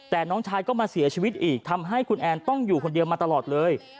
แต่น้องชายก็มาเสียชีวิตอีกทำให้คุณแอนต้องอยู่คนเดียวมาตลอดเลย